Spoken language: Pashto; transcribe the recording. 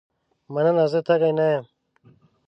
مننه زه تږې نه یم.